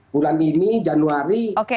bulan ini januari